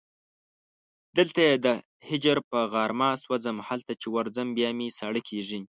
دلته یې د هجر په غارمه سوځم هلته چې ورځم بیا مې ساړه کېږي